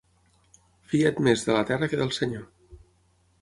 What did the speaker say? Fia't més de la terra que del senyor.